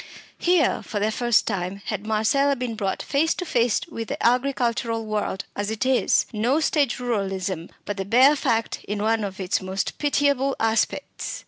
Here, for the first time, had Marcella been brought face to face with the agricultural world as it is no stage ruralism, but the bare fact in one of its most pitiful aspects.